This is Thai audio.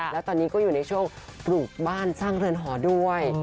แล้วตอนนี้ก็อยู่ในช่วงปลูกบ้านสร้างเรือนหอด้วย